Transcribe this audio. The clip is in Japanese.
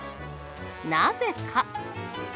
なぜか？